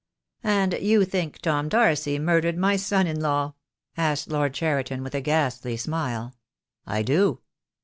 "And you think Tom Darcy murdered my son in law?" asked Lord Cheriton, with a ghastly smile. "I do."